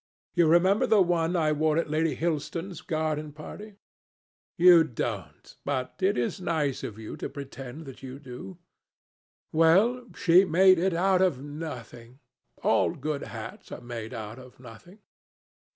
You remember the one I wore at Lady Hilstone's garden party? You don't, but it is nice of you to pretend that you do. Well, she made it out of nothing. All good hats are made out of nothing."